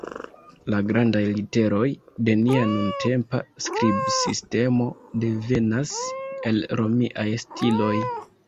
La grandaj literoj de nia nuntempa skribsistemo devenas el Romiaj stiloj.